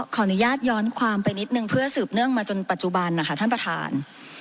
ขออนุญาตย้อนความไปนิดนึงเพื่อสืบเนื่องมาจนปัจจุบันนะคะท่านประธาน